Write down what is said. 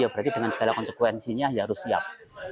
berarti dengan segala konsekuensinya harus siap